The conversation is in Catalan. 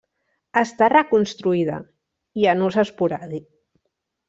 Està reconstruïda i en ús esporàdic.